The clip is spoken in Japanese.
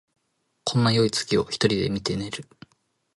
こんなよい月を一人で見て寝る